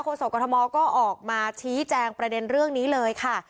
โศกรทมก็ออกมาชี้แจงประเด็นเรื่องนี้เลยค่ะ